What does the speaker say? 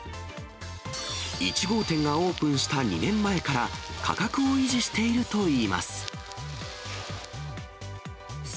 １号店がオープンした２年前から、価格を維持しているといいます。